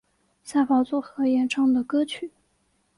吓跑组合演唱的歌曲。